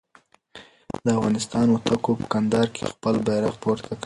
د افغانستان هوتکو په کندهار کې خپل بیرغ پورته کړ.